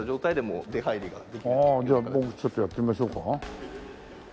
じゃあ僕ちょっとやってみましょうか。